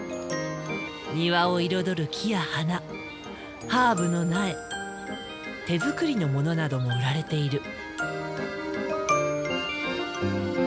庭を彩る木や花ハーブの苗手作りのものなども売られている。